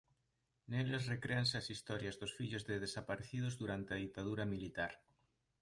Neles recréanse as historias dos fillos de desaparecidos durante a ditadura militar.